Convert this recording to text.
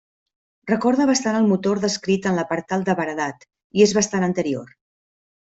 Recorda bastant el motor descrit en l'apartat de Baradat, i és bastant anterior.